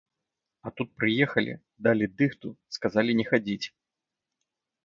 А тут прыехалі, далі дыхту, сказалі не хадзіць.